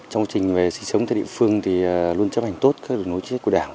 trong quá trình về sinh sống tại địa phương thì luôn chấp hành tốt các đối chức của đảng